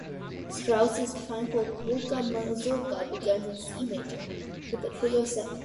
Strauss' tranquil polka-mazurka begins in C major with a Trio section in F major.